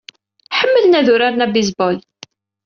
Ḥemmlen ad uraren abaseball.